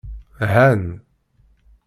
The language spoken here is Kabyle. Han.